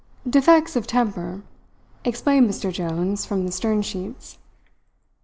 "Defects of temper," explained Mr. Jones from the stern sheets.